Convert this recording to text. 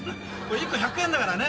１個１００円だからね。